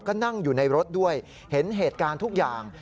ก็นั่งอยู่ในรถด้วยเห็นเหตุการณ์ทุกอย่าง